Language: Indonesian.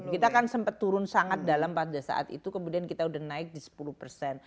kita kan sempat turun sangat dalam pada saat itu kemudian kita udah naik di sepuluh persen